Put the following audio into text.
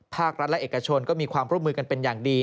ภาครัฐและเอกชนก็มีความร่วมมือกันเป็นอย่างดี